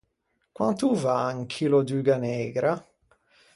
Quant’o vâ un chillo d’uga neigra?